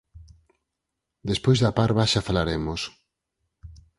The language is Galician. Despois da parva xa falaremos.